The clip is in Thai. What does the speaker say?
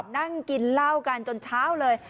นั่งกินเหล้ากันจนเช้าเลย